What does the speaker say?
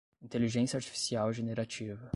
Inteligência artificial generativa